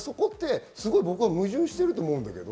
矛盾していると思うんだけど。